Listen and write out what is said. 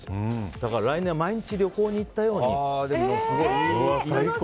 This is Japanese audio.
だから来年は毎日旅行に行ったように。